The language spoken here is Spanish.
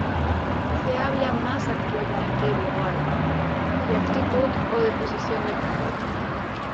Se habla más actualmente de guardia, de actitud o de posición de combate.